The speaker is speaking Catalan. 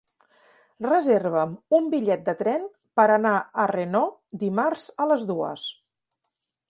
Reserva'm un bitllet de tren per anar a Renau dimarts a les dues.